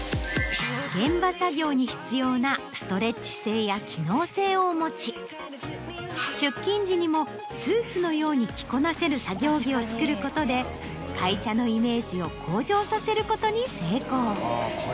現場作業に必要なストレッチ性や機能性を持ち出勤時にもスーツのように着こなせる作業着を作ることで会社のイメージを向上させることに成功。